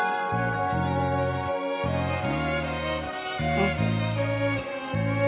うん。